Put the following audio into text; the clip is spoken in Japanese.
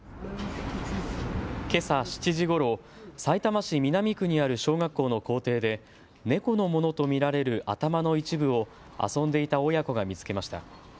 けさ７時ごろ、さいたま市南区にある小学校の校庭で猫のものと見られる頭の一部を遊んでいた親子が見つけました。